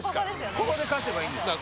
ここで勝てばいいんですから。